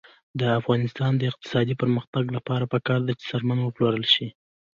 د افغانستان د اقتصادي پرمختګ لپاره پکار ده چې څرمن وپلورل شي.